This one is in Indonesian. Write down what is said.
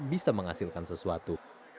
bisa menghasilkan sesuatu